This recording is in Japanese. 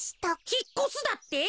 ひっこすだって？